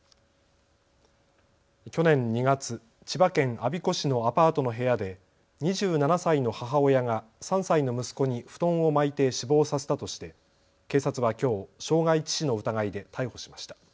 去年２月、千葉県我孫子市のアパートの部屋で２７歳の母親が３歳の息子に布団を巻いて死亡させたとして、警察はきょう傷害致死の疑いで逮捕しました。